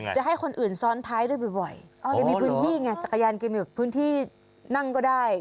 จะให้คนอื่นซ้อนท้ายด้วยบ่อยแกมีพื้นที่ไงจักรยานแกมีแบบพื้นที่นั่งก็ได้